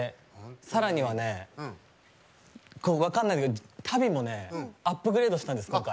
さらにはね、分かんないんだけど足袋もね、アップグレードしたんです、今回。